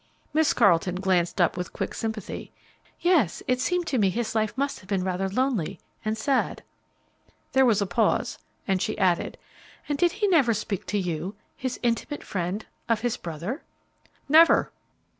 Miss Carleton glanced up with quick sympathy. "Yes, it seemed to me his life must have been rather lonely and sad." There was a pause, and she added, "And did he never speak to you, his intimate friend, of his brother?" "Never."